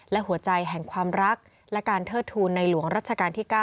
และหัวใจแห่งความรักและการเทิดทูลในหลวงรัชกาลที่๙